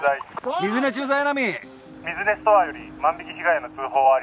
水根ストアより万引き被害の通報あり。